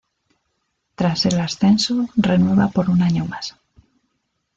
Tras el ascenso, renueva por un año más.